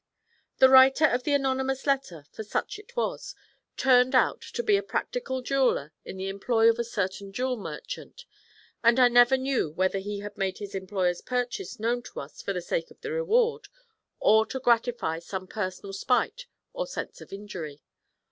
The writer of the anonymous letter, for such it was, turned out to be a practical jeweller in the employ of a certain jewel merchant, and I never knew whether he had made his employer's purchase known to us for the sake of the reward, or to gratify some personal spite or sense of injury.